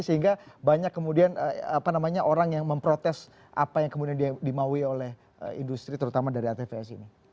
sehingga banyak kemudian orang yang memprotes apa yang kemudian dimaui oleh industri terutama dari atvs ini